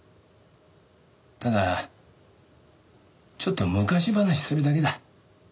ただちょっと昔話するだけだ。